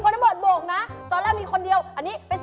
โปรดมือสำคัญโอ้โฮใจเนี่ยไลก์สด